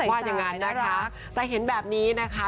ว่าอย่างนั้นนะคะแต่เห็นแบบนี้นะคะ